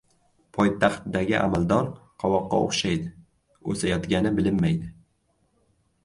– poytaxtdagi amaldor qovoqqa o‘xshaydi: o‘sayotgani bilinmaydi;